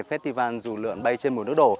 festival dù lượn bay trên mùa nước đổ